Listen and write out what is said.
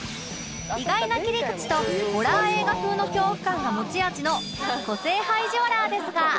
意外な切り口とホラー映画風の恐怖感が持ち味の個性派イジワラーですが